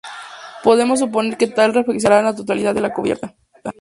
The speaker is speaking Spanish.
Podemos suponer que tal refacción alcanzaría a la totalidad de la cubierta.